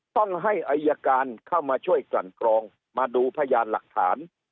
ต้องให้อายการเข้ามาช่วยกลั่นกรองมาดูพยานหลักฐาน